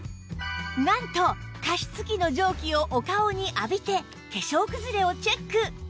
なんと加湿器の蒸気をお顔に浴びて化粧くずれをチェック！